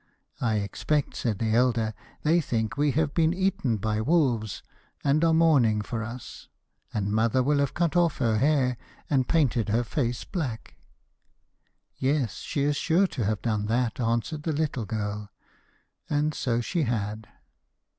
'I expect,' said the elder, 'they think we have been eaten by wolves, and are mourning for us. And mother will have cut off her hair, and painted her face black.' 'Yes; she is sure to have done that,' answered the little girl; and so she had.